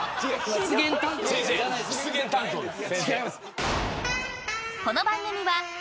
先生、失言担当です。